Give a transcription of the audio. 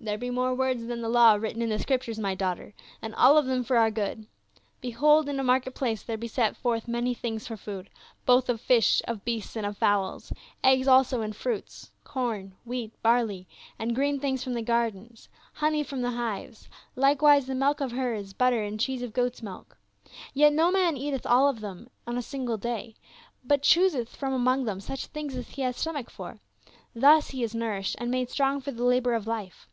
" There be more words than the law written in the Scriptures, my daughter, and all of them for our good. Behold in a market place there be set forth many things for food, both of fish, of beasts, and of fowls ; eggs also and fruits, corn, wheat, barley and green things from the gardens, honey from the hives ; like wise the milk of herds, butter, and cheeses of goats' milk. Yet no man eateth of them all on a single day, but chooseth from among them such things as he hath stomach for ; thus he is nourished and made strong for the labor of life.